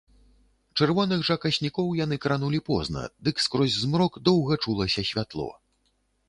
Чырвоных жа каснікоў яны кранулі позна, дык скрозь змрок доўга чулася святло.